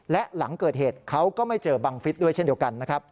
และหลังเกิดเหตุเขาก็ไม่เจอบังฟิศด้วยเช่นเดียวกันนะครับ